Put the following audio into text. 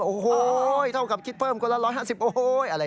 โอ้โฮเท่ากับกินกัน๑๕๐โอ้โฮ